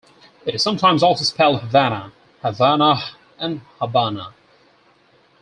It is sometimes also spelled Havanna, Havanah, and Habana.